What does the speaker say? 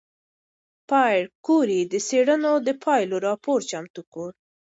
پېیر کوري د څېړنو د پایلو راپور چمتو کړ.